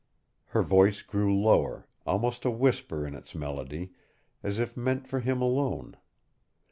Her voice grew lower, almost a whisper in its melody, as if meant for him alone.